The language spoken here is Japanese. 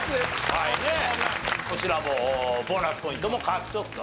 はいねっこちらもボーナスポイントも獲得と。